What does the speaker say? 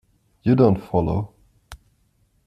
You don't follow.